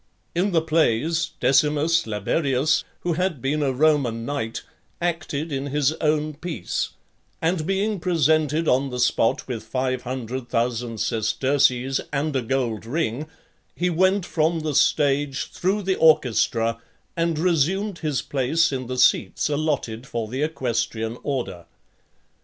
In the plays, Decimus Laberius, who had been a Roman knight, acted in his own piece; and being presented on the spot with five hundred thousand sesterces, and a gold ring, he went from the stage, through the orchestra, and resumed his place in the seats (27) allotted for the equestrian order.